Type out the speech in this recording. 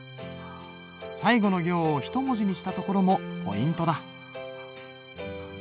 最後の行を１文字にしたところもポイントだ。